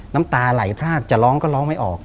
น้ำตาไหลพรากจะร้องก็ร้องไม่ออก